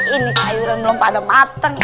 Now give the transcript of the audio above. ini sayuran belum pada matang